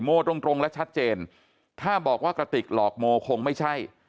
โมตรงและชัดเจนถ้าบอกว่ากระติกหลอกโมคงไม่ใช่